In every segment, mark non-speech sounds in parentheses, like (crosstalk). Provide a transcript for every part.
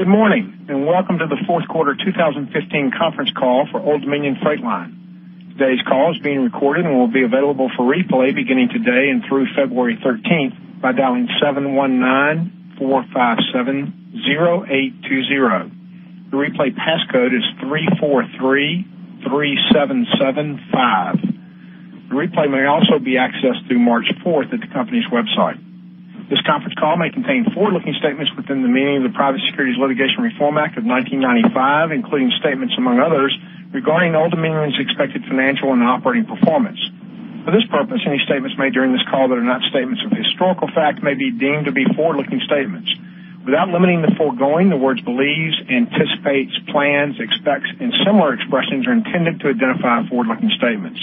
Good morning, and welcome to the fourth quarter 2015 conference call for Old Dominion Freight Line. Today's call is being recorded and will be available for replay beginning today and through February 13th by dialing 719-457-0820. The replay passcode is 3433775. The replay may also be accessed through March 4th at the company's website. This conference call may contain forward-looking statements within the meaning of the Private Securities Litigation Reform Act of 1995, including statements among others regarding Old Dominion's expected financial and operating performance. For this purpose, any statements made during this call that are not statements of historical fact may be deemed to be forward-looking statements. Without limiting the foregoing, the words believes, anticipates, plans, expects, and similar expressions are intended to identify forward-looking statements.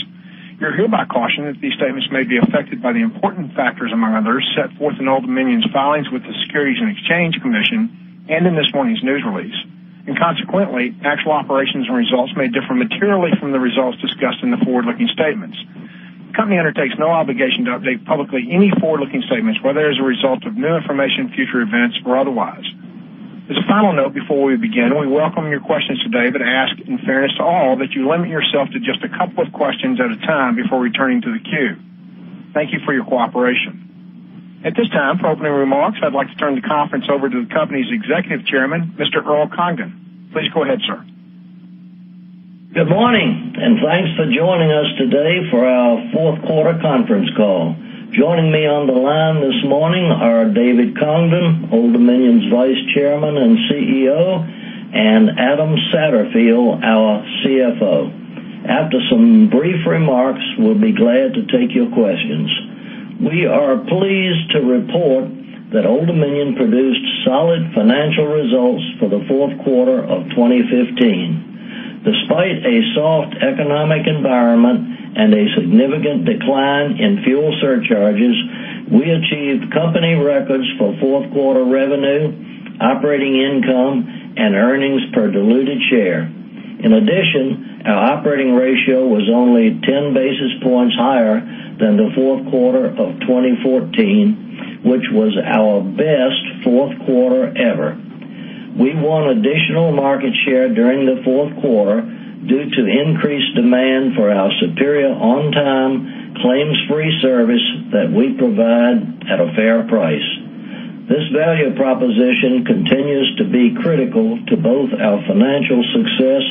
You're hereby cautioned that these statements may be affected by the important factors, among others, set forth in Old Dominion's filings with the Securities and Exchange Commission and in this morning's new release. Consequently, actual operations and results may differ materially from the results discussed in the forward-looking statements. The company undertakes no obligation to update publicly any forward-looking statements, whether as a result of new information, future events, or otherwise. As a final note, before we begin, we welcome your questions today, but ask in fairness to all that you limit yourself to just a couple of questions at a time before returning to the queue. Thank you for your cooperation. At this time, for opening remarks, I'd like to turn the conference over to the company's Executive Chairman, Mr. Earl Congdon. Please go ahead, sir. Good morning. Thanks for joining us today for our fourth quarter conference call. Joining me on the line this morning are David Congdon, Old Dominion's Vice Chairman and CEO, and Adam Satterfield, our CFO. After some brief remarks, we'll be glad to take your questions. We are pleased to report that Old Dominion produced solid financial results for the fourth quarter of 2015. Despite a soft economic environment and a significant decline in fuel surcharges, we achieved company records for fourth quarter revenue, operating income, and earnings per diluted share. In addition, our operating ratio was only 10 basis points higher than the fourth quarter of 2014, which was our best fourth quarter ever. We won additional market share during the fourth quarter due to increased demand for our superior on-time, claims-free service that we provide at a fair price. This value proposition continues to be critical to both our financial success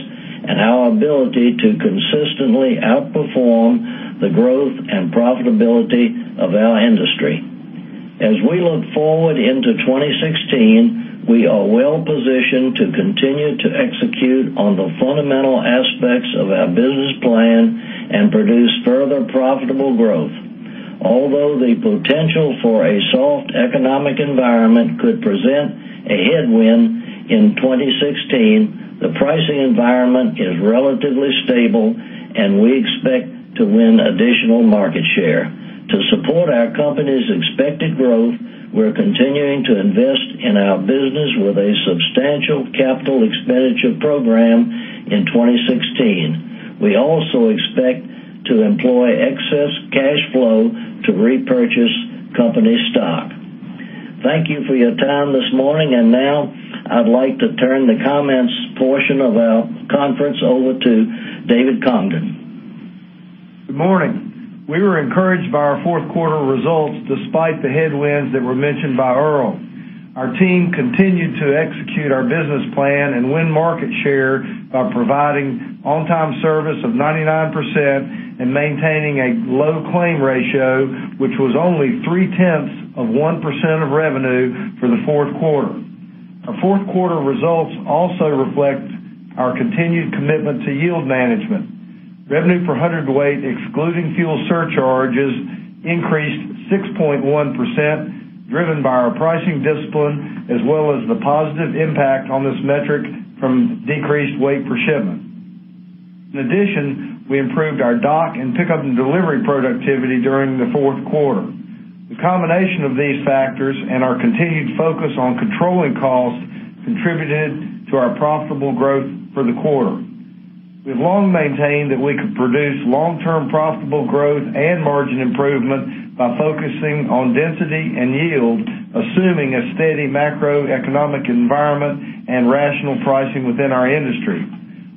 and our ability to consistently outperform the growth and profitability of our industry. As we look forward into 2016, we are well positioned to continue to execute on the fundamental aspects of our business plan and produce further profitable growth. Although the potential for a soft economic environment could present a headwind in 2016, the pricing environment is relatively stable, and we expect to win additional market share. To support our company's expected growth, we're continuing to invest in our business with a substantial capital expenditure program in 2016. We also expect to employ excess cash flow to repurchase company stock. Thank you for your time this morning. Now I'd like to turn the comments portion of our conference over to David Congdon. Good morning. We were encouraged by our fourth quarter results despite the headwinds that were mentioned by Earl. Our team continued to execute our business plan and win market share by providing on-time service of 99% and maintaining a low claim ratio, which was only 0.3% of revenue for the fourth quarter. Our fourth quarter results also reflect our continued commitment to yield management. Revenue per hundredweight, excluding fuel surcharges, increased 6.1%, driven by our pricing discipline as well as the positive impact on this metric from decreased weight per shipment. In addition, we improved our dock and pickup and delivery productivity during the fourth quarter. The combination of these factors and our continued focus on controlling costs contributed to our profitable growth for the quarter. We've long maintained that we could produce long-term profitable growth and margin improvement by focusing on density and yield, assuming a steady macroeconomic environment and rational pricing within our industry.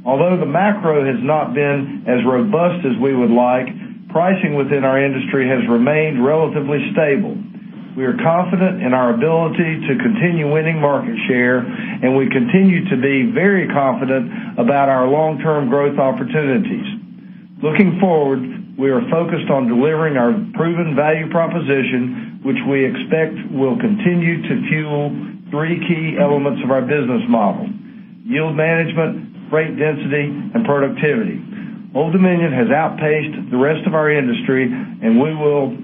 Although the macro has not been as robust as we would like, pricing within our industry has remained relatively stable. We are confident in our ability to continue winning market share, and we continue to be very confident about our long-term growth opportunities. Looking forward, we are focused on delivering our proven value proposition, which we expect will continue to fuel three key elements of our business model: yield management, freight density, and productivity. Old Dominion has outpaced the rest of our industry, and we will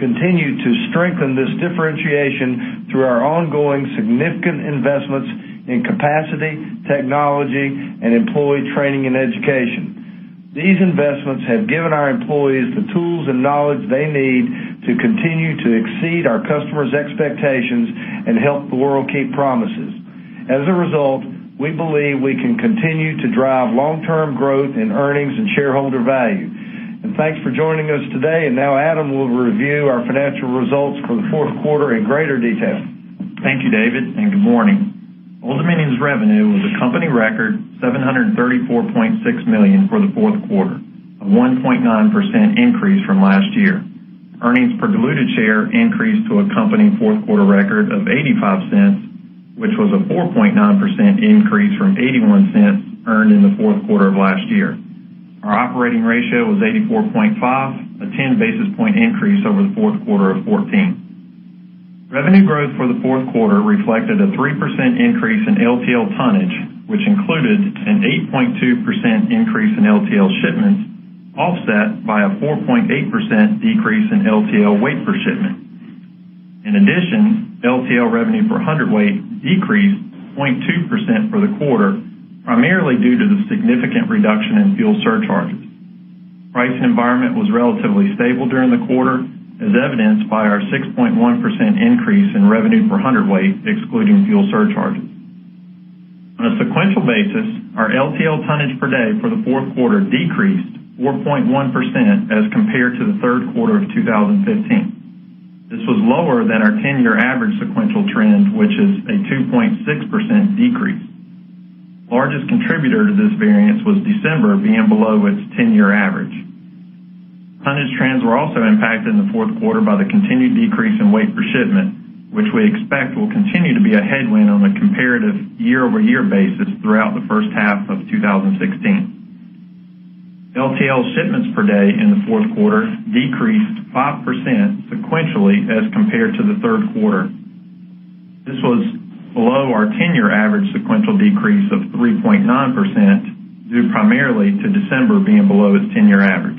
continue to strengthen this differentiation through our ongoing significant investments in capacity, technology, and employee training and education. These investments have given our employees the tools and knowledge they need to continue to exceed our customers' expectations and help the world keep promises. As a result, we believe we can continue to drive long-term growth in earnings and shareholder value. Thanks for joining us today. Now Adam will review our financial results for the fourth quarter in greater detail. Thank you, David, and good morning. Old Dominion's revenue was a company record $734.6 million for the fourth quarter, a 1.9% increase from last year. Earnings per diluted share increased to a company fourth quarter record of $0.85, which was a 4.9% increase from $0.81 earned in the fourth quarter of last year. Our operating ratio was 84.5, a 10 basis point increase over the fourth quarter of 2014. Revenue growth for the fourth quarter reflected a 3% increase in LTL tonnage, which included an 8.2% increase in LTL shipments, offset by a 4.8% decrease in LTL weight per shipment. In addition, LTL revenue per hundredweight decreased 0.2% for the quarter, primarily due to the significant reduction in fuel surcharges. Price environment was relatively stable during the quarter, as evidenced by our 6.1% increase in revenue per hundredweight, excluding fuel surcharges. On a sequential basis, our LTL tonnage per day for the fourth quarter decreased 4.1% as compared to the third quarter of 2015. This was lower than our 10-year average sequential trend, which is a 2.6% decrease. Largest contributor to this variance was December being below its 10-year average. Tonnage trends were also impacted in the fourth quarter by the continued decrease in weight per shipment, which we expect will continue to be a headwind on a comparative year-over-year basis throughout the first half of 2016. LTL shipments per day in the fourth quarter decreased 5% sequentially as compared to the third quarter. This was below our 10-year average sequential decrease of 3.9%, due primarily to December being below its 10-year average.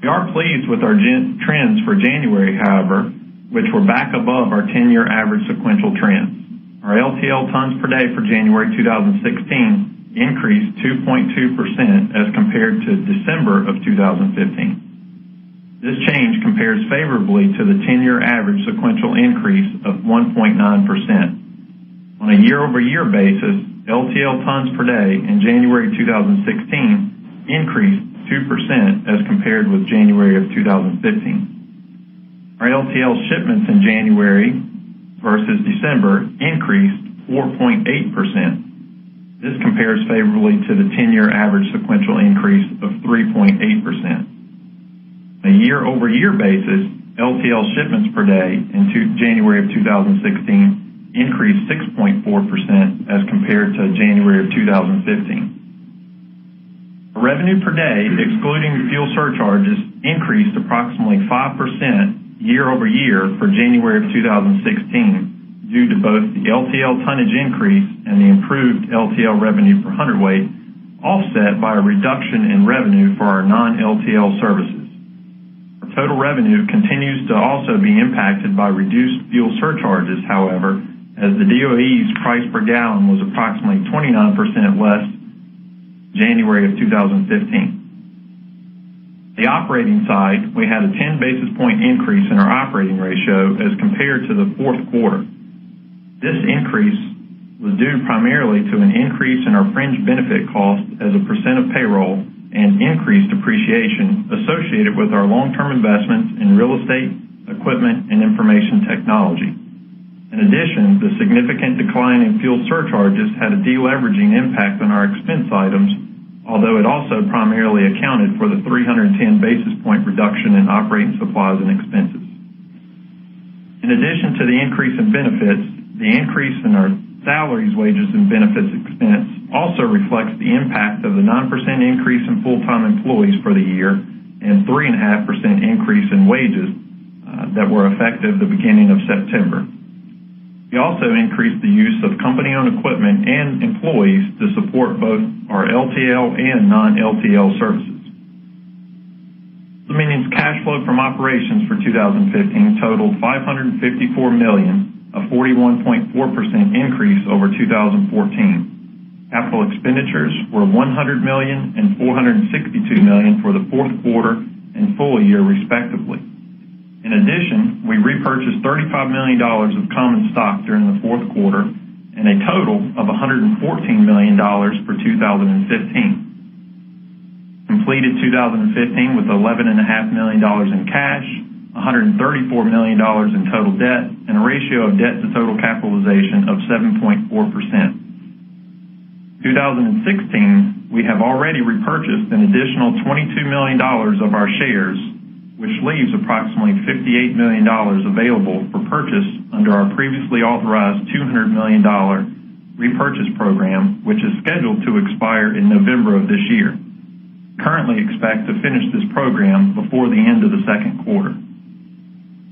We are pleased with our trends for January, however, which were back above our 10-year average sequential trends. Our LTL tons per day for January 2016 increased 2.2% as compared to December of 2015. This change compares favorably to the 10-year average sequential increase of 1.9%. On a year-over-year basis, LTL tons per day in January 2016 increased 2% as compared with January of 2015. Our LTL shipments in January versus December increased 4.8%. This compares favorably to the 10-year average sequential increase of 3.8%. On a year-over-year basis, LTL shipments per day in January of 2016 increased 6.4% as compared to January of 2015. Revenue per day, excluding fuel surcharges, increased approximately 5% year-over-year for January of 2016 due to both the LTL tonnage increase and the improved LTL revenue per hundredweight, offset by a reduction in revenue for our non-LTL services. Our total revenue continues to also be impacted by reduced fuel surcharges, however, as the DOE's price per gallon was approximately 29% less January of 2015. The operating side, we had a 10 basis point increase in our operating ratio as compared to the fourth quarter. This increase was due primarily to an increase in our fringe benefit cost as a percent of payroll and increased depreciation associated with our long-term investments in real estate, equipment, and information technology. The significant decline in fuel surcharges had a deleveraging impact on our expense items, although it also primarily accounted for the 310 basis point reduction in operating supplies and expenses. In addition to the increase in benefits, the increase in our salaries, wages, and benefits expense also reflects the impact of the 9% increase in full-time employees for the year and 3.5% increase in wages that were effective the beginning of September. We also increased the use of company-owned equipment and employees to support both our LTL and non-LTL services. Dominion's cash flow from operations for 2015 totaled $554 million, a 41.4% increase over 2014. Capital expenditures were $100 million and $462 million for the fourth quarter and full year respectively. In addition, we repurchased $35 million of common stock during the fourth quarter and a total of $114 million for 2015. We completed 2015 with $11.5 million in cash, $134 million in total debt, and a ratio of debt to total capitalization of 7.4%. 2016, we have already repurchased an additional $22 million of our shares, which leaves approximately $58 million available for purchase under our previously authorized $200 million repurchase program, which is scheduled to expire in November of this year. Currently expect to finish this program before the end of the second quarter.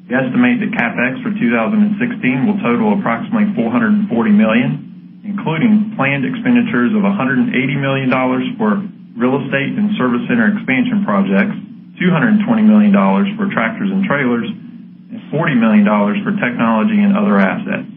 We estimate the CapEx for 2016 will total approximately $440 million, including planned expenditures of $180 million for real estate and service center expansion projects, $220 million for tractors and trailers, and $40 million for technology and other assets.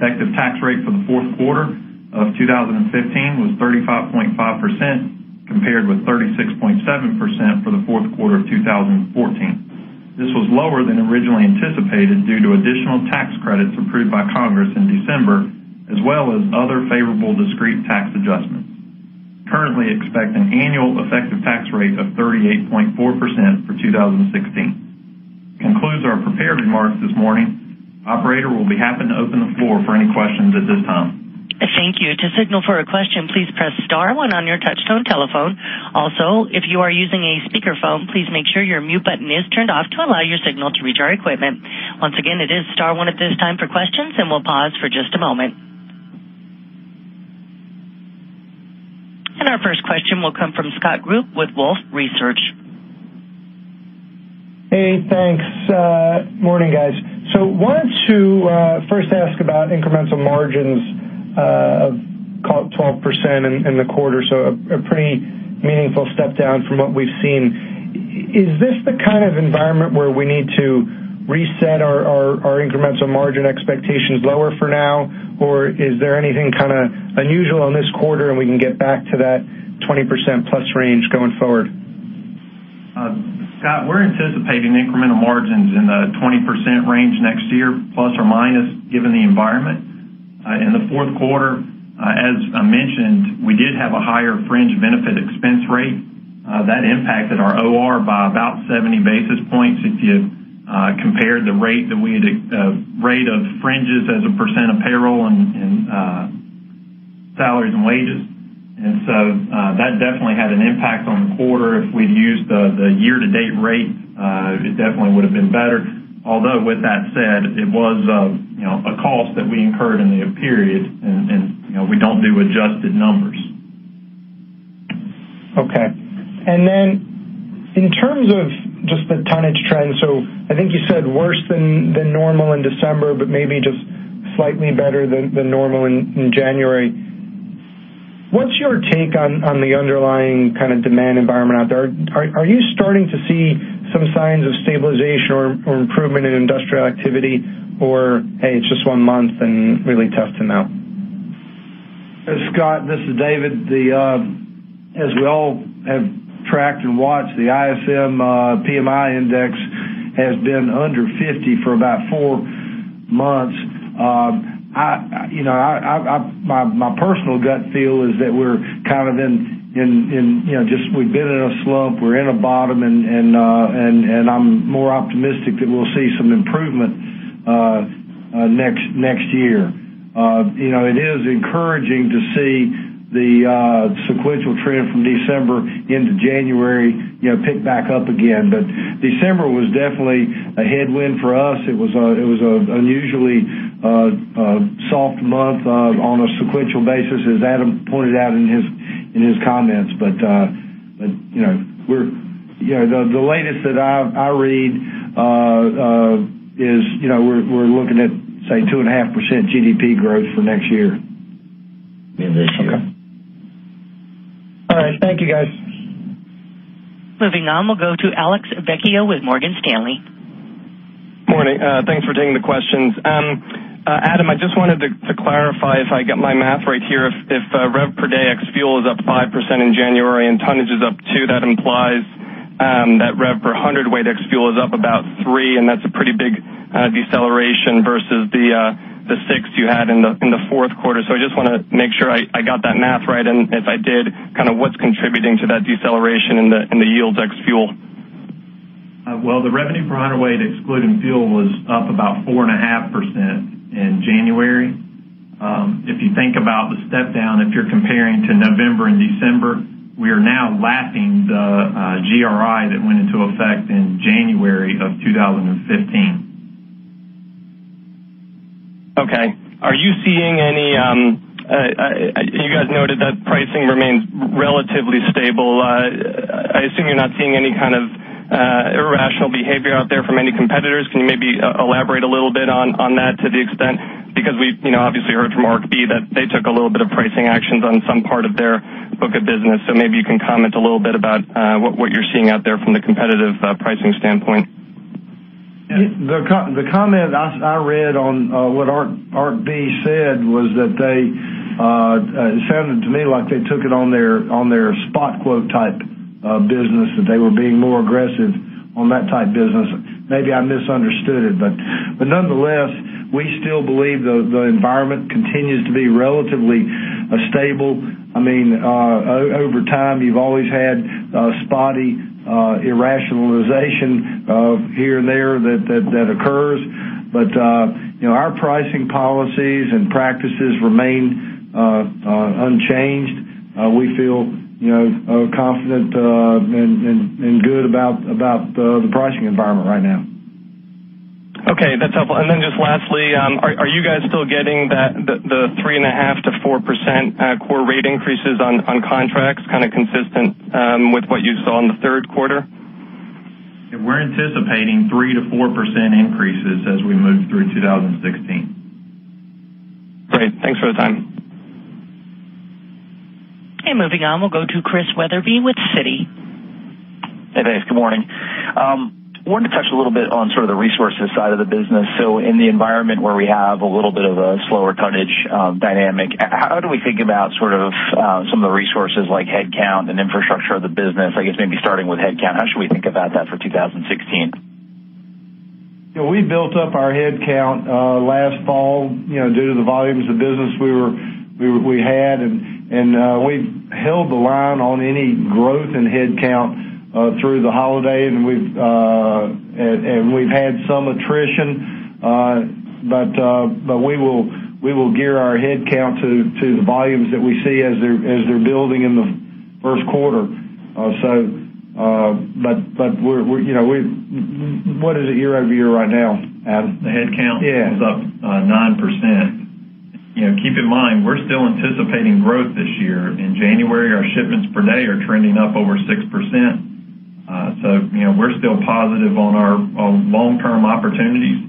Effective tax rate for the fourth quarter of 2015 was 35.5%, compared with 36.7% for the fourth quarter of 2014. This was lower than originally anticipated due to additional tax credits approved by Congress in December, as well as other favorable discrete tax adjustments. Currently expect an annual effective tax rate of 38.4% for 2016. Concludes our prepared remarks this morning. Operator, we'll be happy to open the floor for any questions at this time. Thank you. To signal for a question, please press star one on your touchtone telephone. If you are using a speakerphone, please make sure your mute button is turned off to allow your signal to reach our equipment. Once again, it is star one at this time for questions. We'll pause for just a moment. Our first question will come from Scott Group with Wolfe Research. Hey, thanks. Morning, guys. Wanted to first ask about incremental margins of 12% in the quarter. A pretty meaningful step down from what we've seen. Is this the kind of environment where we need to reset our incremental margin expectations lower for now? Is there anything kind of unusual in this quarter, and we can get back to that 20%+ range going forward? Scott, we're anticipating incremental margins in the 20% range next year, plus or minus, given the environment. In the fourth quarter, as I mentioned, we did have a higher fringe benefit expense rate, that impacted our OR by about 70 basis points if you compared the rate that we had, rate of fringes as a percent of payroll and salaries and wages. That definitely had an impact on the quarter. If we'd used the year-to-date rate, it definitely would have been better. Although with that said, it was, you know, a cost that we incurred in the period and, you know, we don't do adjusted numbers. Okay. In terms of just the tonnage trends, I think you said worse than normal in December, but maybe just slightly better than normal in January. What's your take on the underlying kind of demand environment out there? Are you starting to see some signs of stabilization or improvement in industrial activity? Hey, it's just one month and really testing out? Scott, this is David. The, as we all have tracked and watched, the ISM PMI index has been under 50 for about four months. I, you know, my personal gut feel is that we're kind of in, you know, just we've been in a slump, we're in a bottom and I'm more optimistic that we'll see some improvement next year. You know, it is encouraging to see the sequential trend from December into January, you know, pick back up again. December was definitely a headwind for us. It was a unusually soft month on a sequential basis, as Adam pointed out in his comments. You know, we're, you know, the latest that I read, is, you know, we're looking at, say, 2.5% GDP growth for next year. You mean this year. Okay. All right. Thank you, guys. Moving on, we'll go to Alex Vecchio with Morgan Stanley. Morning. Thanks for taking the questions. Adam, I just wanted to clarify if I get my math right here. If rev per day ex fuel is up 5% in January and tonnage is up 2%, that implies that rev per hundredweight ex fuel is up about 3%, and that's a pretty big deceleration versus the 6% you had in the fourth quarter. I just wanna make sure I got that math right. If I did, kind of what's contributing to that deceleration in the yields ex fuel? Well, the revenue per hundredweight excluding fuel was up about 4.5% in January. If you think about the step down, if you're comparing to November and December, we are now lapping the GRI that went into effect in January of 2015. Okay. Are you seeing any, you guys noted that pricing remains relatively stable. I assume you're not seeing any kind of irrational behavior out there from any competitors. Can you maybe elaborate a little bit on that to the extent? We've, you know, obviously heard from ArcBest that they took a little bit of pricing actions on some part of their book of business. Maybe you can comment a little bit about what you're seeing out there from the competitive pricing standpoint. The comment I read on what ArcBest said was that they, it sounded to me like they took it on their spot quote type business, that they were being more aggressive on that type business. Maybe I misunderstood it, but nonetheless, we still believe the environment continues to be relatively stable. I mean, over time, you've always had spotty irrationalization of here and there that occurs. You know, our pricing policies and practices remain unchanged. We feel, you know, confident, and good about the pricing environment right now. Okay, that's helpful. Just lastly, are you guys still getting that, the 3.5%-4% core rate increases on contracts, kinda consistent with what you saw in the third quarter? Yeah, we're anticipating 3%-4% increases as we move through 2016. Great. Thanks for the time. Moving on, we'll go to Chris Wetherbee with Citi. Hey, thanks. Good morning. I wanted to touch a little bit on sort of the resources side of the business. In the environment where we have a little bit of a slower tonnage dynamic, how do we think about sort of some of the resources like headcount and infrastructure of the business? I guess maybe starting with headcount, how should we think about that for 2016? We built up our headcount, last fall, you know, due to the volumes of business we had. We've held the line on any growth in headcount through the holiday. We've had some attrition. We will gear our headcount to the volumes that we see as they're building in the first quarter. We're, you know, what is it year-over-year right now, Adam? The headcount? Yeah. It's up 9%. You know, keep in mind, we're still anticipating growth this year. In January, our shipments per day are trending up over 6%. You know, we're still positive on our, on long-term opportunities.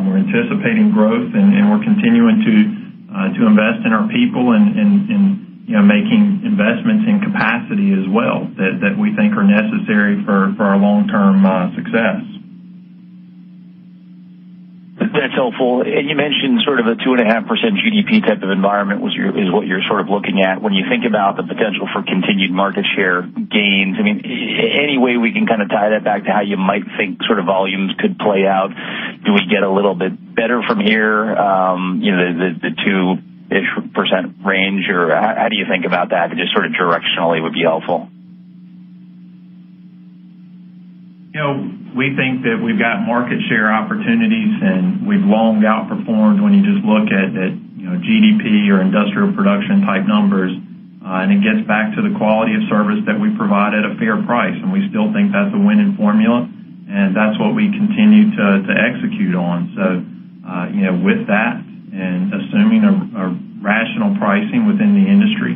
We're anticipating growth and we're continuing to invest in our people and, you know, making investments in capacity as well, that we think are necessary for our long-term success. That's helpful. You mentioned sort of a 2.5% GDP type of environment is what you're sort of looking at. When you think about the potential for continued market share gains, I mean, any way we can kind of tie that back to how you might think sort of volumes could play out? Do we get a little bit better from here, you know, the 2%-ish range? How do you think about that? Just sort of directionally would be helpful. You know, we think that we've got market share opportunities, and we've long outperformed when you just look at, you know, GDP or industrial production type numbers. It gets back to the quality of service that we provide at a fair price, and we still think that's a winning formula. That's what we continue to execute on. You know, with that, and assuming a rational pricing within the industry,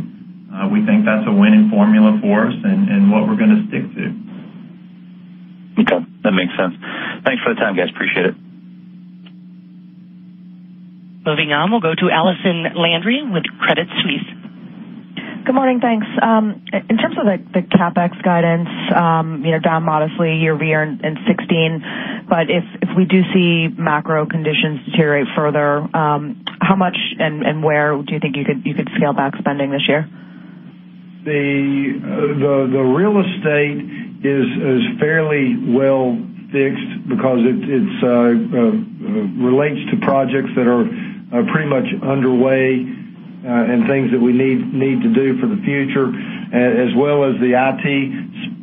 we think that's a winning formula for us and what we're gonna stick to. Okay. That makes sense. Thanks for the time, guys. Appreciate it. Moving on, we'll go to Allison Landry with Credit Suisse. Good morning. Thanks. In terms of the CapEx guidance, you know, down modestly year-over-year in 2016. If we do see macro conditions deteriorate further, how much and where do you think you could scale back spending this year? The real estate is fairly well fixed because it relates to projects that are pretty much underway and things that we need to do for the future, as well as the IT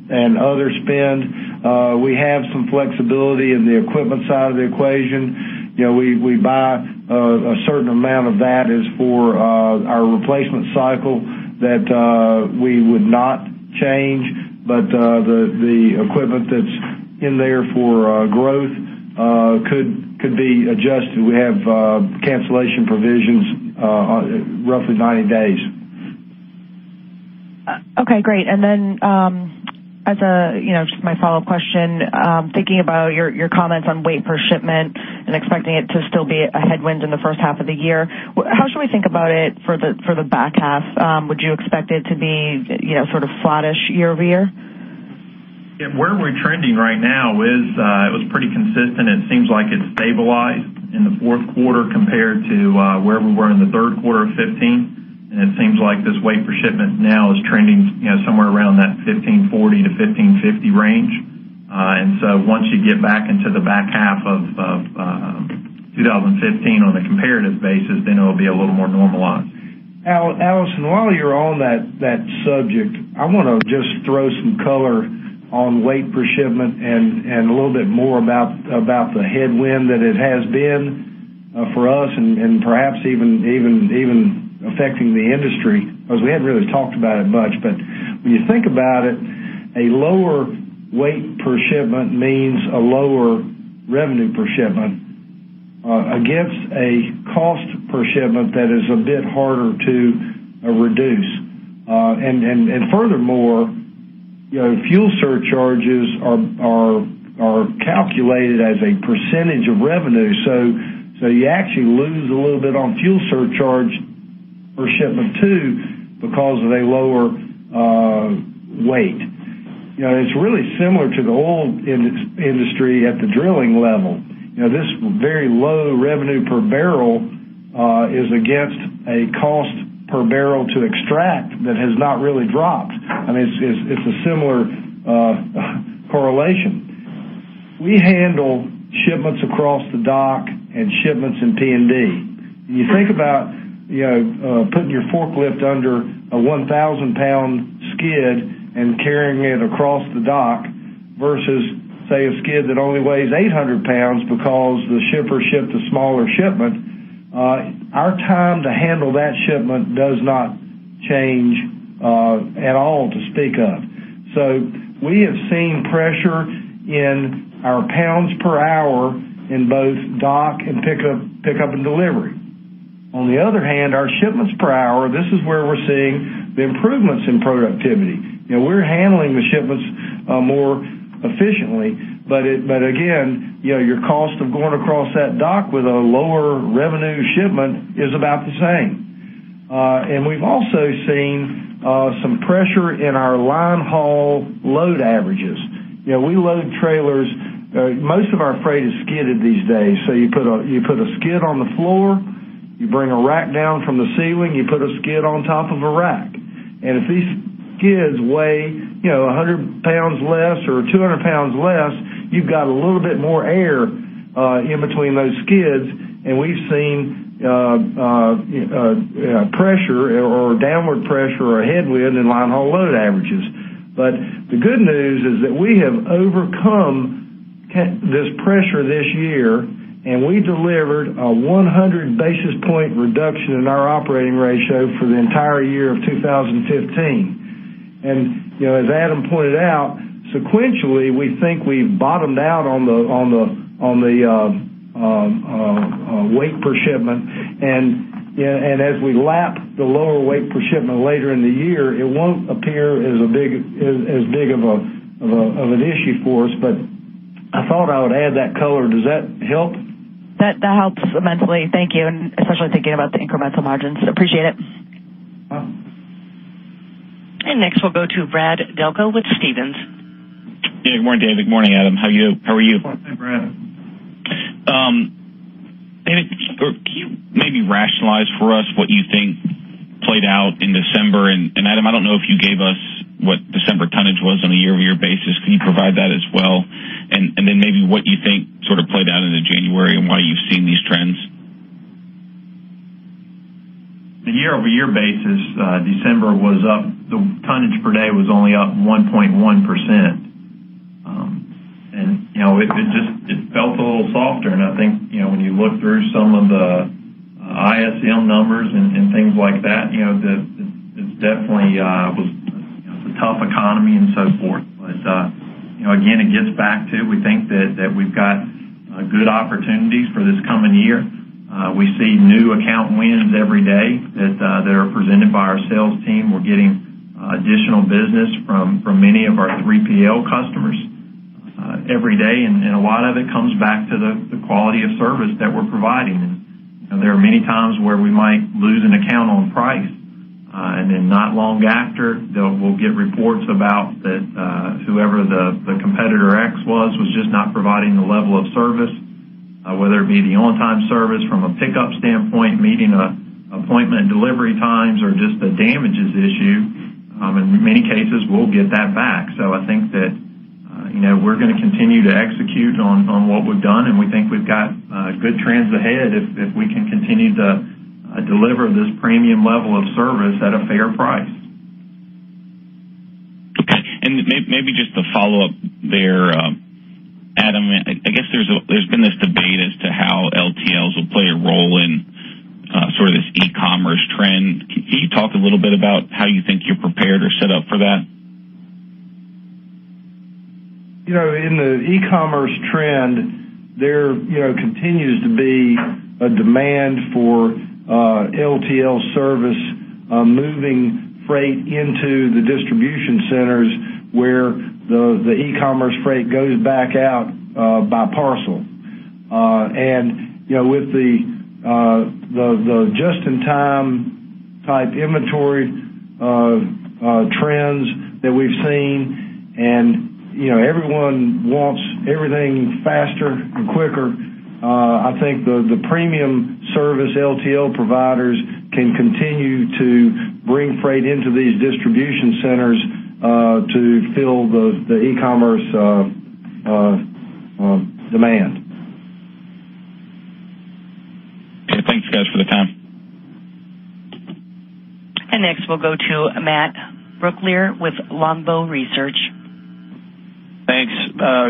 and other spend. We have some flexibility in the equipment side of the equation. You know, we buy a certain amount of that is for our replacement cycle that we would not change. The equipment that's in there for growth could be adjusted. We have cancellation provisions, roughly 90 days. Okay, great. As a, you know, just my follow-up question, thinking about your comments on weight per shipment and expecting it to still be a headwind in the first half of the year, how should we think about it for the back half? Would you expect it to be, you know, sort of flattish year-over-year? Yeah. Where we're trending right now is, it was pretty consistent. It seems like it's stabilized in the fourth quarter compared to, where we were in the third quarter of 2015. It seems like this weight per shipment now is trending, you know, somewhere around that 1,540-1,550 range. Once you get back into the back half of, 2015 on a comparative basis, then it'll be a little more normalized. Allison, while you're on that subject, I wanna just throw some color on weight per shipment and a little bit more about the headwind that it has been for us and perhaps even affecting the industry. We hadn't really talked about it much, but when you think about it, a lower weight per shipment means a lower revenue per shipment against a cost per shipment that is a bit harder to reduce. And furthermore, you know, fuel surcharges are calculated as a percentage of revenue. You actually lose a little bit on fuel surcharge per shipment too because of a lower weight. You know, it's really similar to the oil industry at the drilling level. You know, this very low revenue per hundredweight is against a cost per hundredweight to extract that has not really dropped. I mean, it's, it's a similar correlation. We handle shipments across the dock and shipments in P&D. When you think about, you know, putting your forklift under a 1,000 lbs skid and carrying it across the dock versus, say, a skid that only weighs 800 lbs because the shipper shipped a smaller shipment, our time to handle that shipment does not change at all to speak of. We have seen pressure in our pounds per hour in both dock and pickup and delivery. On the other hand, our shipments per hour, this is where we're seeing the improvements in productivity. You know, we're handling the shipments more efficiently. Again, you know, your cost of going across that dock with a lower revenue shipment is about the same. We've also seen some pressure in our line haul load averages. You know, we load trailers. Most of our freight is skidded these days. You put a skid on the floor, you bring a rack down from the ceiling, you put a skid on top of a rack. If these skids weigh, you know, 100 lbs less or 200 lbs less, you've got a little bit more air in between those skids. We've seen pressure or downward pressure or a headwind in line haul load averages. The good news is that we have overcome this pressure this year, and we delivered a 100 basis point reduction in our operating ratio for the entire year of 2015. You know, as Adam pointed out, sequentially, we think we've bottomed out on the weight per shipment. Yeah, as we lap the lower weight per shipment later in the year, it won't appear as big of an issue for us. I thought I would add that color. Does that help? That helps mentally. Thank you. Especially thinking about the incremental margins. Appreciate it. Next, we'll go to Brad Delco with Stephens. Yeah. Good morning, David. Good morning, Adam. How are you? Morning, Brad. David, can you maybe rationalize for us what you think played out in December? Adam, I don't know if you gave us what December tonnage was on a year-over-year basis. Can you provide that as well? Then maybe what you think sort of played out into January and why you've seen these trends. The year-over-year basis, December was up. The tonnage per day was only up 1.1%. You know, it just felt a little softer. I think, you know, when you look through some of the ISM numbers and things like that, you know, it definitely was, you know, it's a tough economy and so forth. You know, again, it gets back to we think that we've got good opportunities for this coming year. We see new account wins every day that are presented by our sales team. We're getting additional business from many of our 3PL customers every day. A lot of it comes back to the quality of service that we're providing. There are many times where we might lose an account on price, and then not long after, we'll get reports about that, whoever the competitor X was just not providing the level of service, whether it be the on-time service from a pickup standpoint, meeting appointment delivery times or just a damages issue, in many cases, we'll get that back. I think that, you know, we're gonna continue to execute on what we've done, and we think we've got good trends ahead if we can continue to deliver this premium level of service at a fair price. Okay. Maybe just to follow up there, Adam, I guess there's been this debate as to how LTLs will play a role in sort of this e-commerce trend. Can you talk a little bit about how you think you're prepared or set up for that? You know, in the e-commerce trend, there, you know, continues to be a demand for LTL service, moving freight into the distribution centers where the e-commerce freight goes back out by parcel. You know, with the just-in-time type inventory trends that we've seen and, you know, everyone wants everything faster and quicker, I think the premium service LTL providers can continue to bring freight into these distribution centers to fill the e-commerce demand. Okay. Thanks, guys, for the time. Next, we'll go to Matt Brooklier with Longbow Research. Thanks.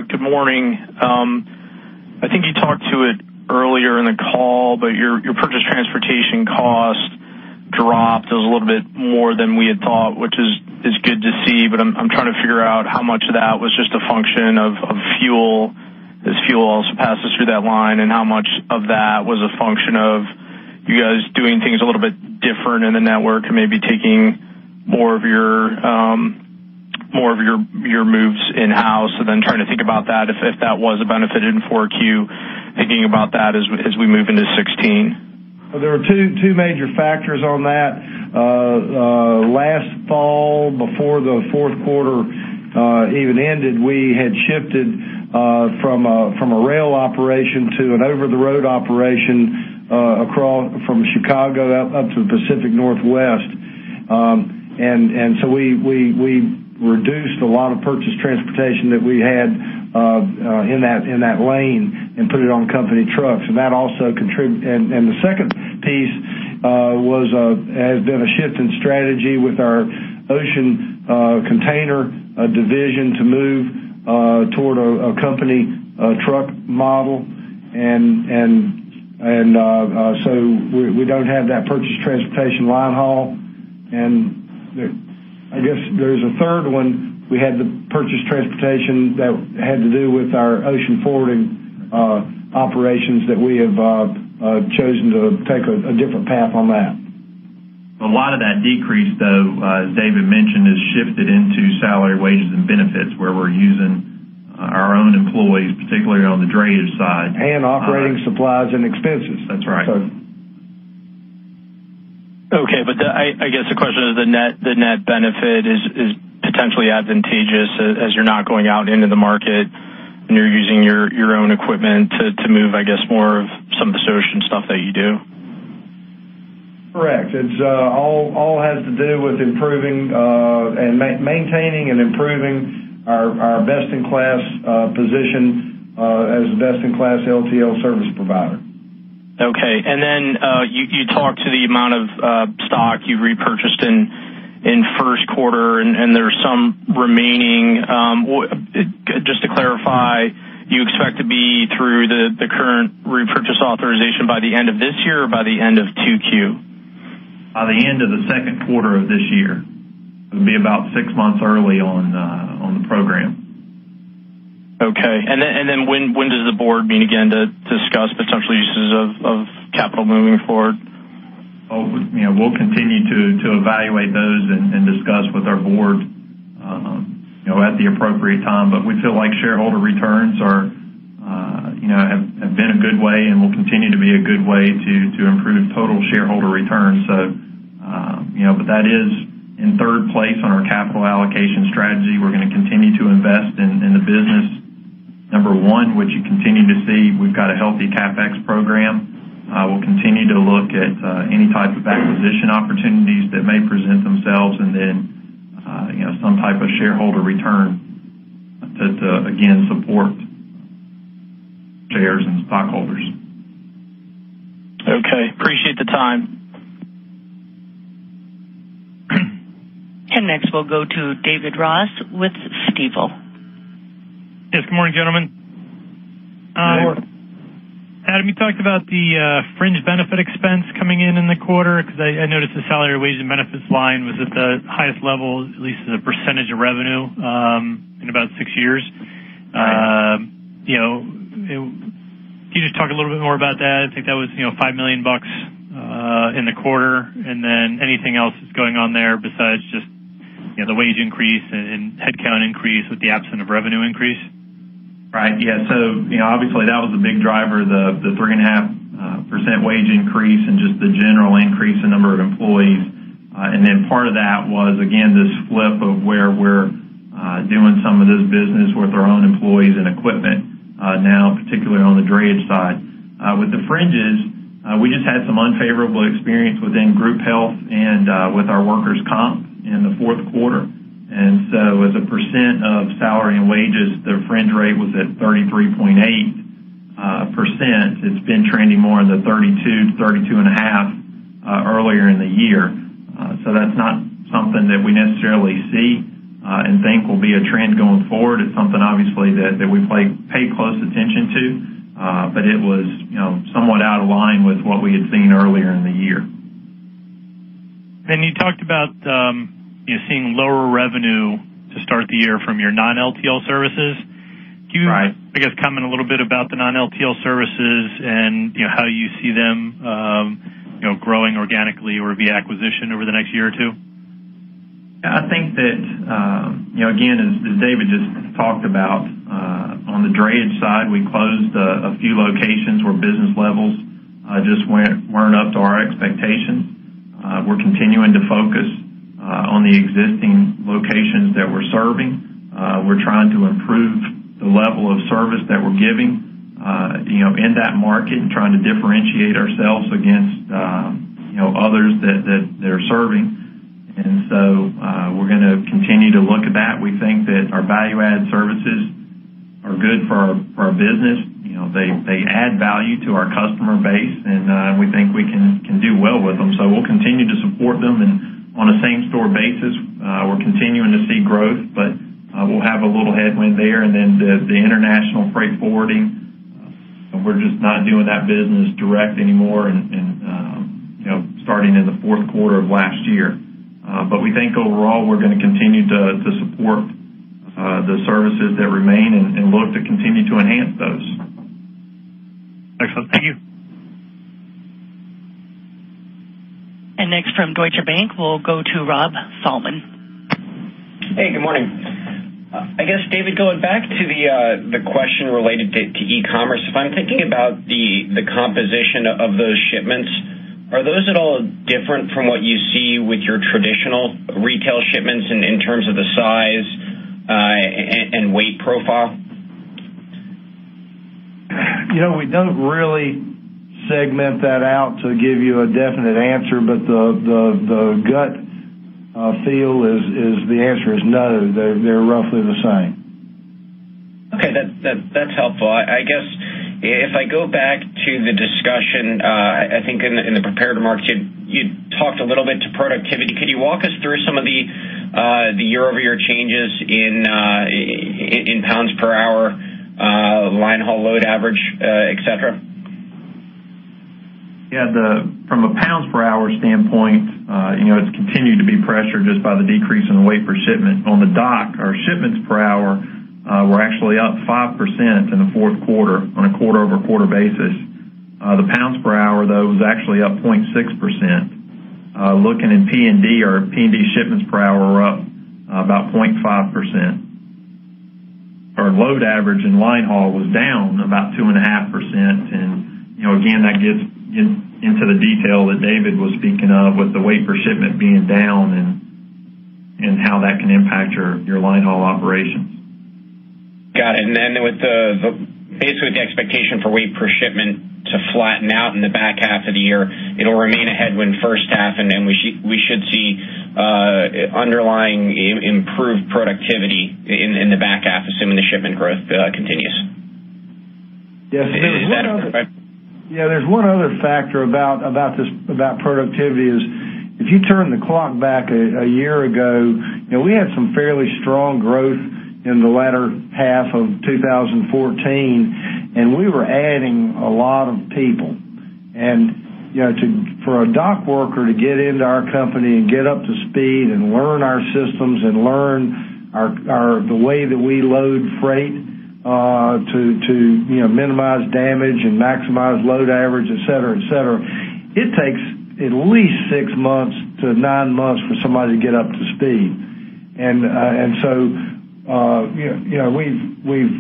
Good morning. I think you talked to it earlier in the call, but your purchased transportation cost dropped a little bit more than we had thought, which is good to see, but I'm trying to figure out how much of that was just a function of fuel as fuel also passes through that line and how much of that was a function of you guys doing things a little bit different in the network and maybe taking more of your moves in-house. Trying to think about that if that was a benefit in 4Q, thinking about that as we move into 2016. There were two major factors on that. Last fall, before the fourth quarter even ended, we had shifted from a rail operation to an over-the-road operation across from Chicago up to the Pacific Northwest. We reduced a lot of purchased transportation that we had in that lane and put it on company trucks. The second piece was has been a shift in strategy with our ocean container division to move toward a company truck model. We don't have that purchased transportation line haul. I guess there's a third one. We had the purchased transportation that had to do with our ocean forwarding operations that we have chosen to take a different path on that. A lot of that decrease, though, as David mentioned, has shifted into salary, wages, and benefits, where we're using our own employees, particularly on the drayage side. Operating supplies and expenses. That's right. Okay. I guess the question is the net benefit is potentially advantageous as you're not going out into the market, and you're using your own equipment to move, I guess, more of some of the associate stuff that you do? Correct. It's all has to do with improving and maintaining and improving our best-in-class position as a best-in-class LTL service provider. Okay. You talked to the amount of stock you repurchased in first quarter, and there are some remaining. Just to clarify, you expect to be through the current repurchase authorization by the end of this year or by the end of 2Q? By the end of the second quarter of this year. It'll be about six months early on the program. Okay. When does the board meet again to discuss potential uses of capital moving forward? You know, we'll continue to evaluate those and discuss with our board, you know, at the appropriate time. We feel like shareholder returns are, you know, have been a good way and will continue to be a good way to improve total shareholder returns. You know, that is in third place on our capital allocation strategy. We're going to continue to invest in the business. Number one, which you continue to see, we've got a healthy CapEx program. We'll continue to look at any type of acquisition opportunities that may present themselves and some type of shareholder return to again support shares and stockholders. Okay. Appreciate the time. Next, we'll go to David Ross with Stifel. Yes, good morning, gentlemen. Good morning. Adam, you talked about the fringe benefit expense coming in in the quarter because I noticed the salary, wages, and benefits line was at the highest level, at least as a percentage of revenue, in about six years. You know, can you just talk a little bit more about that? I think that was, you know, $5 million in the quarter, and then anything else that's going on there besides just, you know, the wage increase and headcount increase with the absence of revenue increase. Right. Yeah. you know, obviously, that was a big driver, the 3.5% wage increase and just the general increase in number of employees. Then part of that was, again, this flip of where we're doing some of this business with our own employees and equipment, now, particularly on the drayage side. With the fringes, we just had some unfavorable experience within group health and with our workers' comp in the fourth quarter. As a percent of salary and wages, the fringe rate was at 33.8%. It's been trending more in the 32%-32.5% earlier in the year. That's not something that we necessarily see and think will be a trend going forward. It's something obviously that we pay close attention to, but it was, you know, somewhat out of line with what we had seen earlier in the year. You talked about, you know, seeing lower revenue to start the year from your non-LTL services. Right. Can you, I guess, comment a little bit about the non-LTL services and, you know, how you see them, you know, growing organically or via acquisition over the next year or two? I think that, you know, again, as David just talked about, on the drayage side, we closed a few locations where business levels just weren't up to our expectations. We're continuing to focus on the existing locations that we're serving. We're trying to improve the level of service that we're giving, you know, in that market and trying to differentiate ourselves against, you know, others that they're serving. We're gonna continue to look at that. We think that our value-add services are good for our business. You know, they add value to our customer base, and we think we can do well with them. We'll continue to support them. On a same-store basis, we're continuing to see growth, but we'll have a little headwind there. The international freight forwarding, we're just not doing that business direct anymore and, you know, starting in the fourth quarter of last year. We think overall, we're gonna continue to support the services that remain and look to continue to enhance those. Excellent. Thank you. Next from Deutsche Bank, we'll go to Rob Salmon. Hey, good morning. I guess, David, going back to the question related to e-commerce, if I'm thinking about the composition of those shipments, are those at all different from what you see with your traditional retail shipments in terms of the size and weight profile? You know, we don't really segment that out to give you a definite answer, but the gut feel is the answer is no. They're roughly the same. Okay. That's helpful. I guess if I go back to the discussion, I think in the prepared remarks, you talked a little bit to productivity. Could you walk us through some of the year-over-year changes in pounds per hour, line haul load average, et cetera? Yeah. From a pounds per hour standpoint, you know, it's continued to be pressured just by the decrease in the weight per shipment. On the dock, our shipments per hour were actually up 5% in the fourth quarter on a quarter-over-quarter basis. The pounds per hour, though, was actually up 0.6%. Looking at P&D, our P&D shipments per hour were up about 0.5%. Our load average in line haul was down about 2.5%. You know, again, that gets into the detail that David was speaking of with the weight per shipment being down and how that can impact your line haul operations. Got it. With the basically, the expectation for weight per shipment to flatten out in the back half of the year, it'll remain a headwind first half, and then we should see underlying improved productivity in the back half, assuming the shipment growth continues. Yes. Is that correct? Yeah. There's one other factor about this, about productivity is if you turn the clock back a year ago, you know, we had some fairly strong growth in the latter half of 2014, and we were adding a lot of people. You know, for a dock worker to get into our company and get up to speed and learn our systems and learn our, the way that we load freight, to, you know, minimize damage and maximize load average, et cetera, et cetera, it takes at least six months to nine months for somebody to get up to speed. You know, you know, we've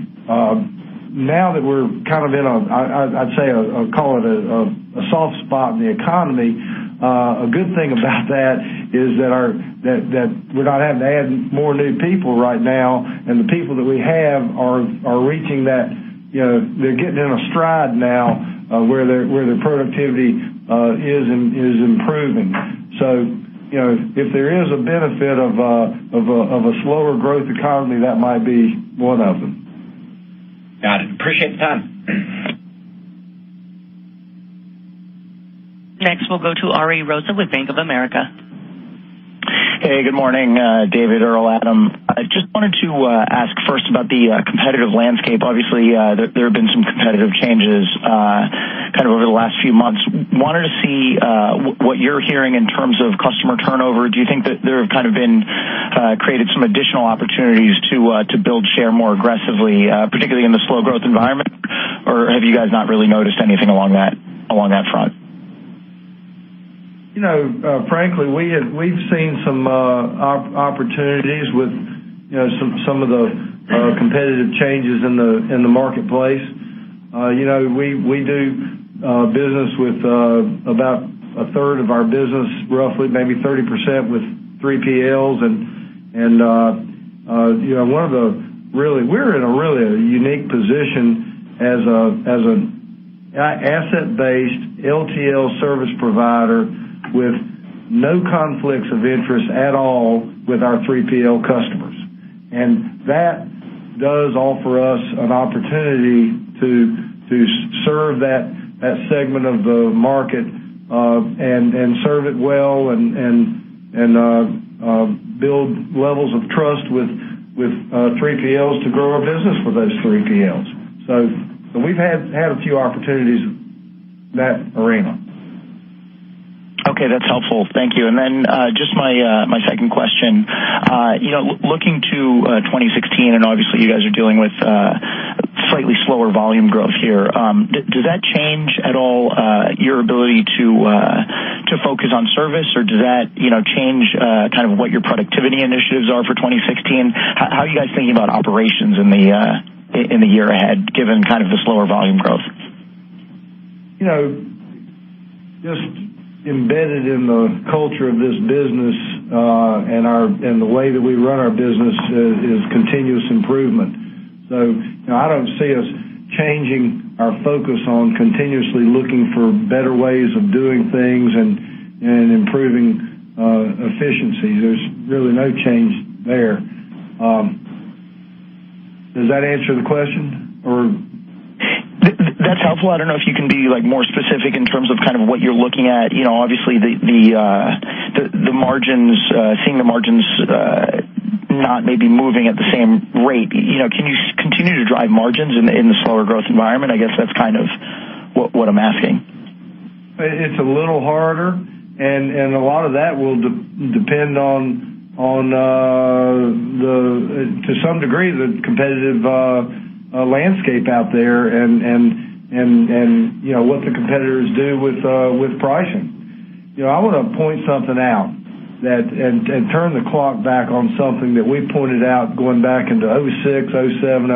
Now that we're kind of in a, I'd say, call it a soft spot in the economy, a good thing about that is that our that we're not having to add more new people right now, and the people that we have are reaching that, you know, they're getting in a stride now, where their productivity is improving. You know, if there is a benefit of a slower growth economy, that might be one of them. Got it. Appreciate the time. Next, we'll go to Ari Rosa with Bank of America. Hey, good morning, David, Earl, Adam. I just wanted to ask first about the competitive landscape. Obviously, there have been some competitive changes kind of over the last few months. Wanted to see what you're hearing in terms of customer turnover. Do you think that there have kind of been created some additional opportunities to build share more aggressively, particularly in the slow growth environment? Have you guys not really noticed anything along that front? You know, frankly, we've seen some opportunities with, you know, some of the competitive changes in the marketplace. You know, we do business with about a third of our business, roughly maybe 30% with 3PLs. You know, we're in a really unique position as an asset-based LTL service provider with no conflicts of interest at all with our 3PL customers. That does offer us an opportunity to serve that segment of the market, and serve it well and build levels of trust with 3PLs to grow our business with those 3PLs. We've had a few opportunities in that arena. Okay, that's helpful. Thank you. Just my second question. You know, looking to 2016, and obviously you guys are dealing with slightly slower volume growth here, does that change at all your ability to focus on service, or does that, you know, change kind of what your productivity initiatives are for 2016? How are you guys thinking about operations in the year ahead, given kind of the slower volume growth? You know, just embedded in the culture of this business, and the way that we run our business is continuous improvement. I don't see us changing our focus on continuously looking for better ways of doing things and improving efficiency. There's really no change there. Does that answer the question or? That's helpful. I don't know if you can be, like, more specific in terms of kind of what you're looking at. You know, obviously, the margins, seeing the margins, not maybe moving at the same rate. You know, can you continue to drive margins in the slower growth environment? I guess that's kind of what I'm asking. It's a little harder. A lot of that will depend on, to some degree, the competitive landscape out there and, you know, what the competitors do with pricing. You know, I want to point something out that, and turn the clock back on something that we pointed out going back into 2006, 2007,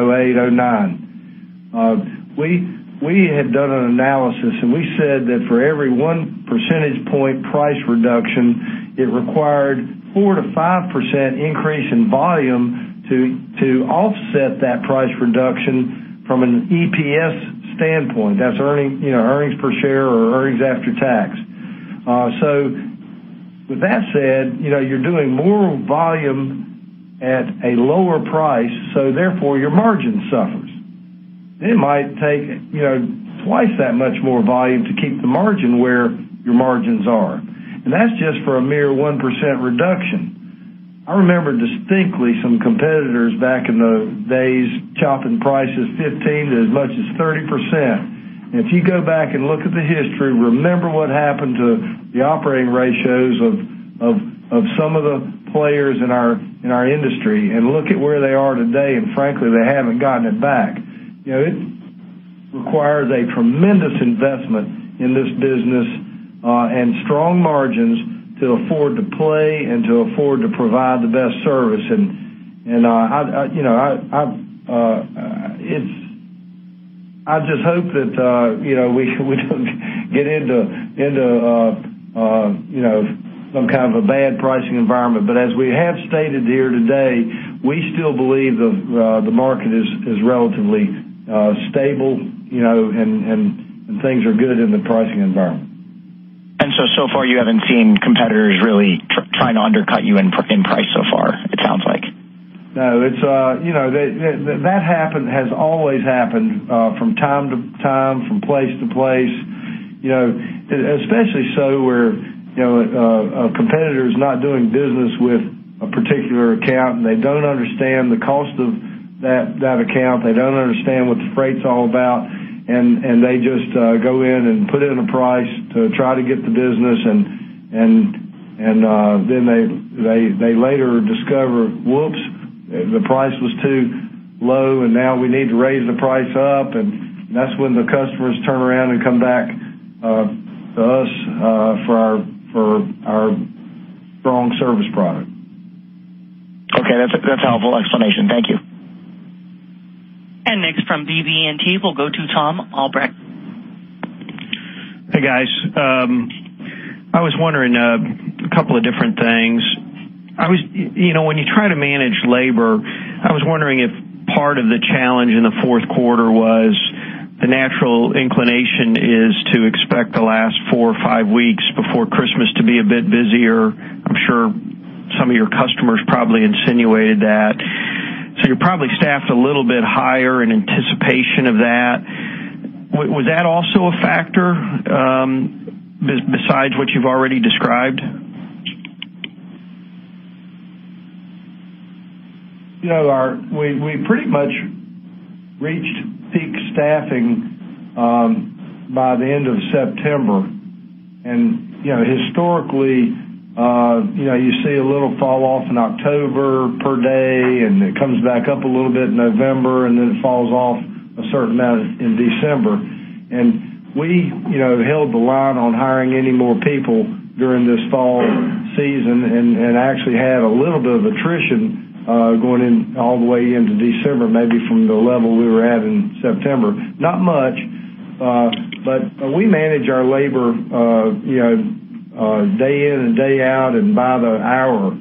2008, 2009. We had done an analysis, and we said that for every 1 percentage point price reduction, it required 4%-5% increase in volume to offset that price reduction from an EPS standpoint. That's earnings, you know, earnings per share or earnings after tax. With that said, you know, you're doing more volume at a lower price, so therefore your margin suffers. It might take, you know, twice that much more volume to keep the margin where your margins are. That's just for a mere 1% reduction. I remember distinctly some competitors back in the days chopping prices 15% to as much as 30%. If you go back and look at the history, remember what happened to the operating ratios of some of the players in our industry, look at where they are today, frankly, they haven't gotten it back. You know, it requires a tremendous investment in this business, and strong margins to afford to play and to afford to provide the best service. I just hope that, you know, we don't get into some kind of a bad pricing environment. As we have stated here today, we still believe the market is relatively stable, you know, and things are good in the pricing environment. So far you haven't seen competitors really trying to undercut you in price so far, it sounds like. No, it's, you know, that happened has always happened, from time to time, from place to place. You know, especially so where, you know, a competitor is not doing business with a particular account, and they don't understand the cost of that account. They don't understand what the freight's all about, and they just, go in and put in a price to try to get the business. Then they later discover, whoops, the price was too low, and now we need to raise the price up. That's when the customers turn around and come back, to us, for our strong service product. Okay, that's a helpful explanation. Thank you. Next from BB&T, we'll go to Tom Albrecht. Hey, guys. I was wondering a couple of different things. You know, when you try to manage labor, I was wondering if part of the challenge in the fourth quarter was the natural inclination is to expect the last four or five weeks before Christmas to be a bit busier. I'm sure some of your customers probably insinuated that. You probably staffed a little bit higher in anticipation of that. Was that also a factor, besides what you've already described? You know, we pretty much reached peak staffing by the end of September. You know, historically, you know, you see a little fall off in October per day, it comes back up a little bit in November, it falls off a certain amount in December. We, you know, held the line on hiring any more people during this fall season and actually had a little bit of attrition going in all the way into December, maybe from the level we were at in September. Not much, but we manage our labor, you know, day in and day out and by the hour.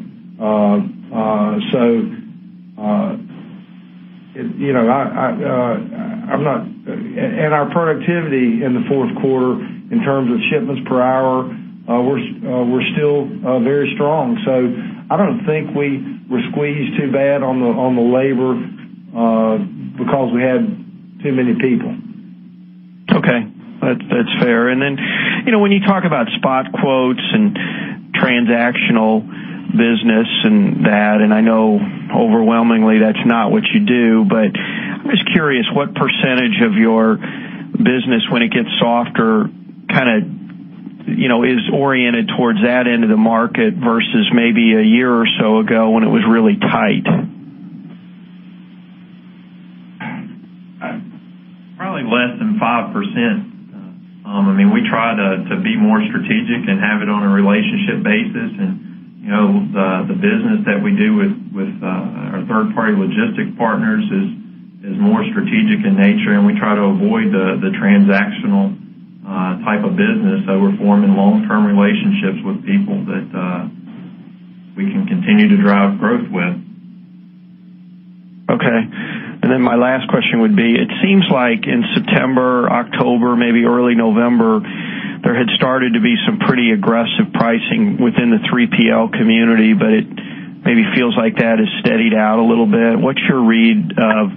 You know, I'm not. Our productivity in the fourth quarter in terms of shipments per hour, we're still very strong. I don't think we were squeezed too bad on the, on the labor, because we had too many people. Okay. That's fair. You know, when you talk about spot quotes and transactional business and that, and I know overwhelmingly that's not what you do, but I'm just curious what percentage of your business when it gets softer, kinda, you know, is oriented towards that end of the market versus maybe a year or so ago when it was really tight. Probably less than 5%. I mean, we try to be more strategic and have it on a relationship basis. You know, the business that we do with our third-party logistic partners is more strategic in nature, and we try to avoid the transactional type of business, so we're forming long-term relationships with people that we can continue to drive growth with. Okay. My last question would be, it seems like in September, October, maybe early November, there had started to be some pretty aggressive pricing within the 3PL community, but it maybe feels like that has steadied out a little bit. What's your read of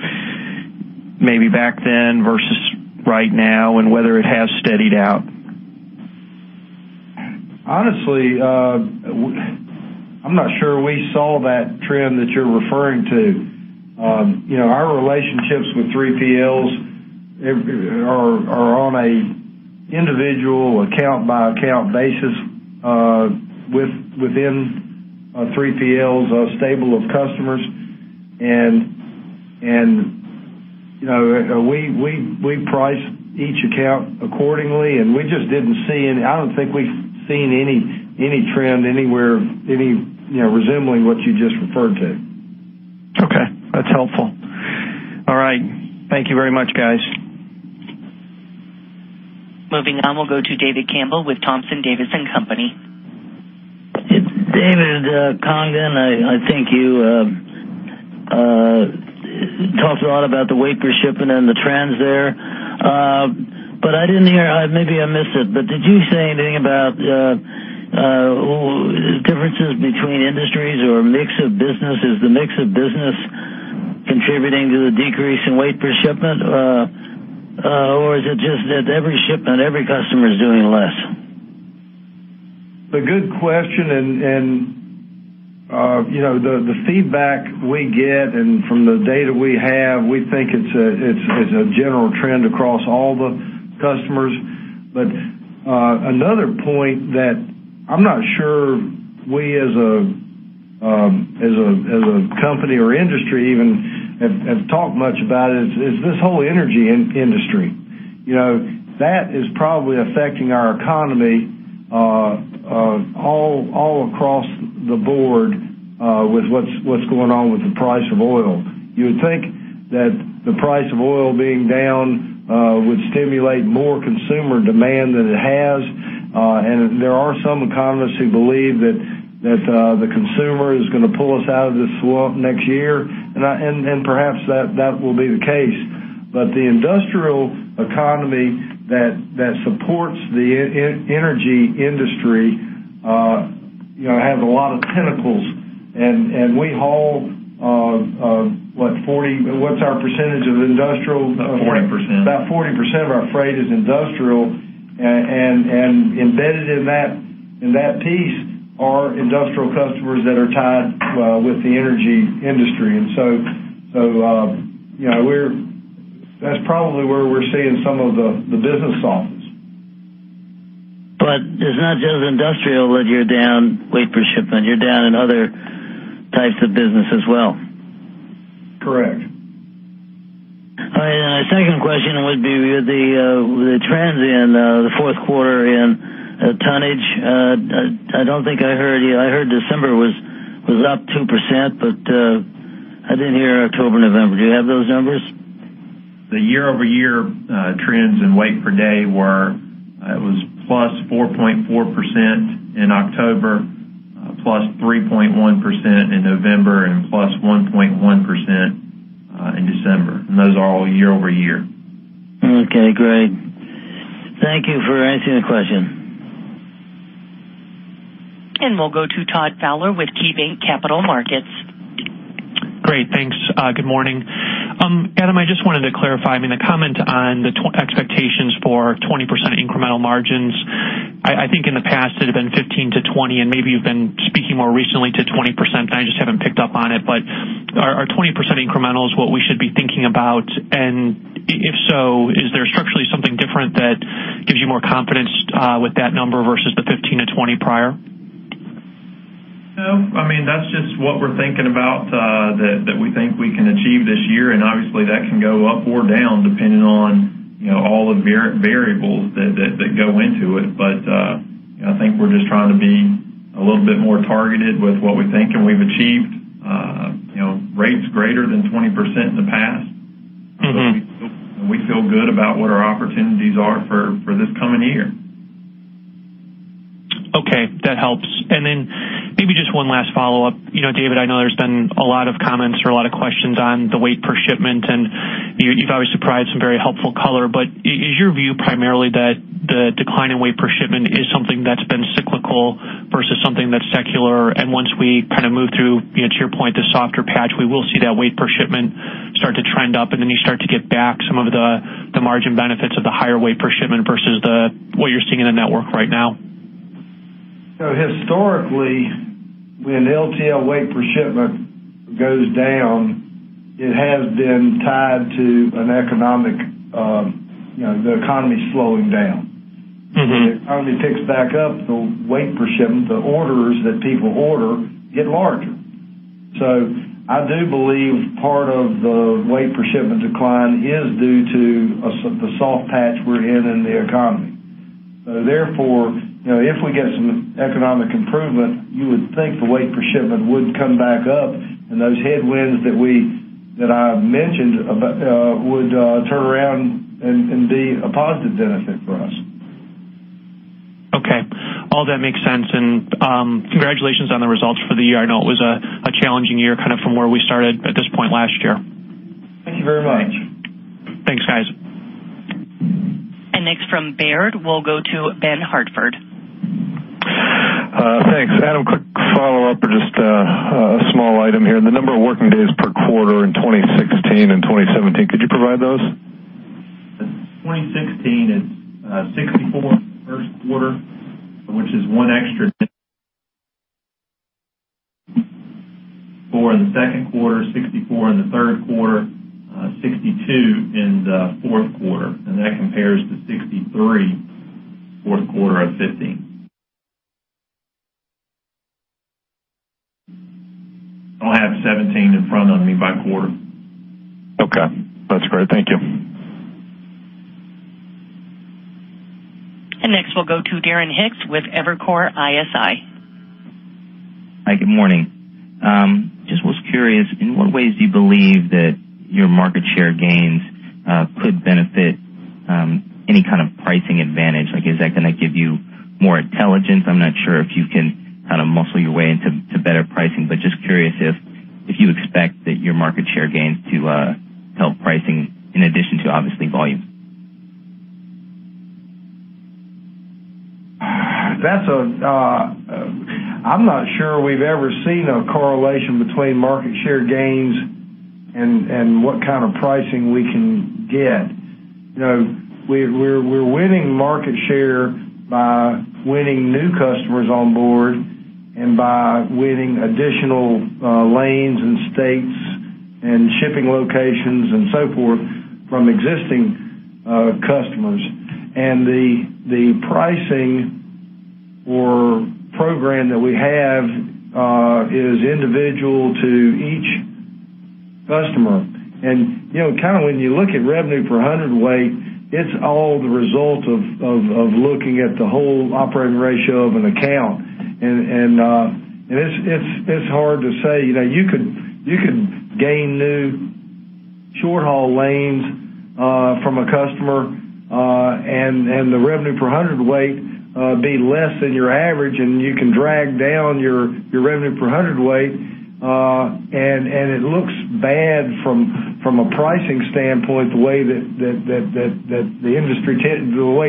maybe back then versus right now and whether it has steadied out? Honestly, I'm not sure we saw that trend that you're referring to. You know, our relationships with 3PLs are on a individual account-by-account basis within a 3PL's stable of customers. You know, we price each account accordingly, and we just didn't see I don't think we've seen any trend anywhere, any, you know, resembling what you just referred to. Okay. That's helpful. All right. Thank you very much, guys. Moving on, we'll go to David Campbell with Thompson, Davis & Company. David Congdon, I think you talked a lot about the weight per shipment and the trends there. I didn't hear, maybe I missed it, but did you say anything about differences between industries or mix of businesses? The mix of business contributing to the decrease in weight per shipment? Is it just that every shipment, every customer is doing less? It's a good question. You know, the feedback we get and from the data we have, we think it's a general trend across all the customers. Another point that I'm not sure we as a company or industry even have talked much about is this whole energy industry. You know, that is probably affecting our economy all across the board with what's going on with the price of oil. You would think that the price of oil being down would stimulate more consumer demand than it has. There are some economists who believe that the consumer is gonna pull us out of this slump next year, and perhaps that will be the case. The industrial economy that supports the energy industry, you know, has a lot of tentacles. We haul What's our percentage of industrial? About 40%. About 40% of our freight is industrial. Embedded in that piece are industrial customers that are tied with the energy industry. You know, that's probably where we're seeing some of the business softness. It's not just industrial that you're down weight per shipment, you're down in other types of business as well. Correct. Yeah. Second question would be with the trends in the fourth quarter in tonnage. I don't think I heard you. I heard December was up 2%, I didn't hear October, November. Do you have those numbers? The year-over-year trends in weight per day were, it was +4.4% in October, +3.1% in November, and +1.1% in December. Those are all year-over-year. Okay, great. Thank you for answering the question. We'll go to Todd Fowler with KeyBanc Capital Markets. Great, thanks. Good morning. Adam, I just wanted to clarify, I mean, the comment on expectations for 20% incremental margins. I think in the past it had been 15%-20%, maybe you've been speaking more recently to 20%, I just haven't picked up on it. Are 20% incrementals what we should be thinking about? If so, is there structurally something different that gives you more confidence with that number versus the 15%-20% prior? No. I mean, that's just what we're thinking about, that we think we can achieve this year. Obviously that can go up or down depending on, you know, all the variables that go into it. I think we're just trying to be a little bit more targeted with what we think, and we've achieved, rates greater than 20% in the past. We feel good about what our opportunities are for this coming year. Okay, that helps. Then maybe just one last follow-up. You know, David, I know there's been a lot of comments or a lot of questions on the weight per shipment, and you've always provided some very helpful color. Is your view primarily that the decline in weight per shipment is something that's been cyclical versus something that's secular? Once we kind of move through, you know, to your point, the softer patch, we will see that weight per shipment start to trend up, then you start to get back some of the margin benefits of the higher weight per shipment versus the what you're seeing in the network right now. Historically, when LTL weight per shipment goes down, it has been tied to an economic, you know, the economy slowing down. When the economy picks back up, the weight per shipment, the orders that people order get larger. I do believe part of the weight per shipment decline is due to the soft patch we're in in the economy. Therefore, you know, if we get some economic improvement, you would think the weight per shipment would come back up, and those headwinds that we, that I've mentioned about, would turn around and be a positive benefit for us. Okay. All that makes sense. Congratulations on the results for the year. I know it was a challenging year, kind of from where we started at this point last year. Thank you very much. Thanks, guys. Next from Baird, we'll go to Ben Hartford. Thanks, Adam, quick follow-up or just a small item here. The number of working days per quarter in 2016 and 2017, could you provide those? In 2016, it's 64 in the first quarter, which is one extra (audio distortion) for in the second quarter, 64 in the third quarter, 62 in the fourth quarter. That compares to 63 fourth quarter of 2015. I don't have 2017 in front of me by quarter. Okay, that's great. Thank you. Next, we'll go to Darren Hicks with Evercore ISI. Hi, good morning. Just was curious, in what ways do you believe that your market share gains could benefit any kind of pricing advantage? Like, is that gonna give you more intelligence? I'm not sure if you can kind of muscle your way into better pricing, but just curious if you expect that your market share gains to help pricing in addition to obviously volume. That's a I'm not sure we've ever seen a correlation between market share gains and what kind of pricing we can get. You know, we're winning market share by winning new customers on board and by winning additional lanes and states and shipping locations and so forth from existing customers. The pricing or program that we have is individual to each customer. You know, kind of when you look at revenue per hundredweight, it's all the result of looking at the whole operating ratio of an account. It's hard to say. You know, you could gain new short-haul lanes from a customer, and the revenue per hundredweight be less than your average, and you can drag down your revenue per hundredweight. It looks bad from a pricing standpoint, the way that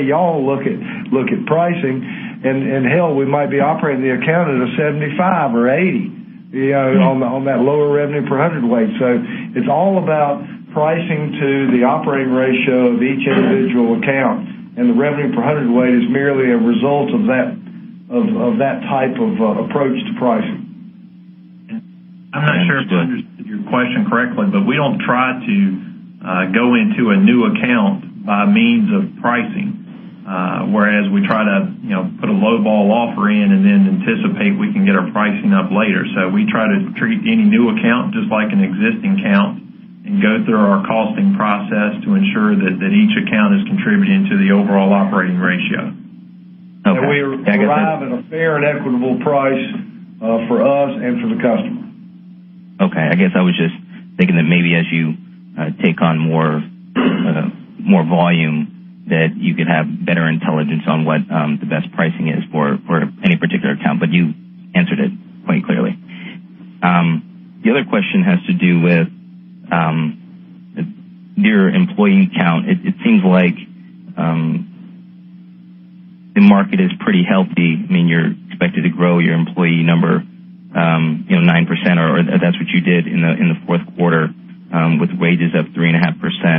y'all look at pricing. Hell, we might be operating the account at a 75 or 80, you know, on that lower revenue per hundredweight. It's all about pricing to the operating ratio of each individual account. The revenue per hundredweight is merely a result of that, of that type of approach to pricing. Thanks, good. I'm not sure if I understood your question correctly, but we don't try to go into a new account by means of pricing, whereas we try to, you know, put a lowball offer in and then anticipate we can get our pricing up later. We try to treat any new account just like an existing account and go through our costing process to ensure that each account is contributing to the overall operating ratio. Okay. I guess. We arrive at a fair and equitable price for us and for the customer. I guess I was just thinking that maybe as you take on more, more volume, that you could have better intelligence on what the best pricing is for any particular account, but you answered it quite clearly. The other question has to do with your employee count. It seems like, you know, the market is pretty healthy, meaning you're expected to grow your employee number 9% or that's what you did in the fourth quarter, with wages up 3.5%. Just trying to look forward, the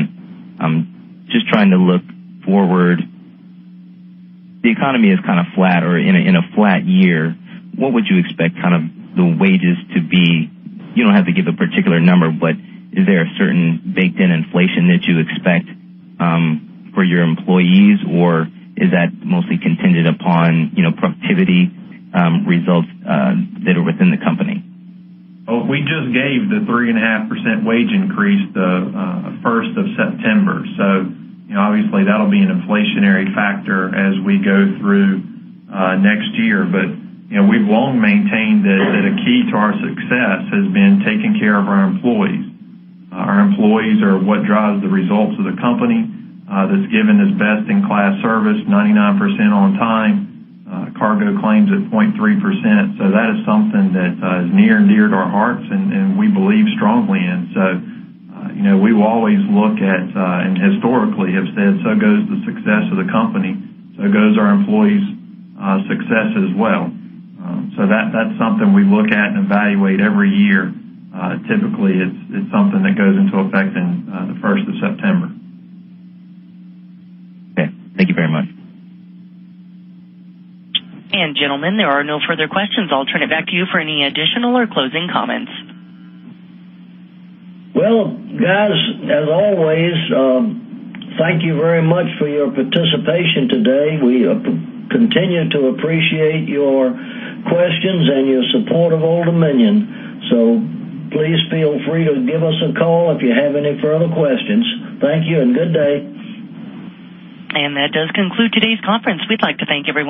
economy is kinda flat or in a flat year, what would you expect kind of the wages to be? You don't have to give a particular number, but is there a certain baked in inflation that you expect, for your employees, or is that mostly contingent upon, you know, productivity, results, that are within the company? We just gave the 3.5% wage increase the first of September. You know, obviously, that'll be an inflationary factor as we go through next year. You know, we've long maintained that a key to our success has been taking care of our employees. Our employees are what drives the results of the company. That's given as best in class service, 99% on time, cargo claims at 0.3%. That is something that is near and dear to our hearts and we believe strongly in. You know, we will always look at and historically have said, so goes the success of the company, so goes our employees' success as well. That's something we look at and evaluate every year. Typically, it's something that goes into effect in the first of September. Okay. Thank you very much. Gentlemen, there are no further questions. I'll turn it back to you for any additional or closing comments. Well, guys, as always, thank you very much for your participation today. We continue to appreciate your questions and your support of Old Dominion. Please feel free to give us a call if you have any further questions. Thank you and good day. That does conclude today's conference. We'd like to thank everyone.